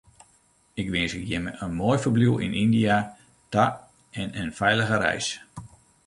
Ik winskje jimme in moai ferbliuw yn Yndia ta en in feilige reis.